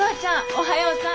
おはようさん。